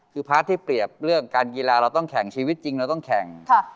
คือพาร์ทที่เปรียบเรื่องการกีฬาเราต้องแข่งชีวิตจริงเราต้องแข่ง